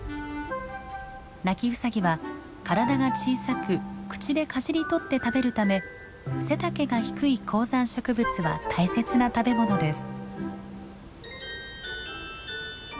ナキウサギは体が小さく口でかじり取って食べるため背丈が低い高山植物は大切な食べ物です。